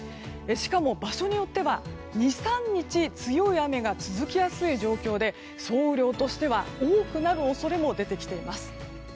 しかも場所によっては２３日強い雨が続きやすい状況で総雨量としては多くなる恐れも出てきています。